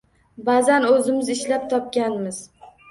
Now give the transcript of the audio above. Ba’zan o‘zimiz ishlab topganmiz.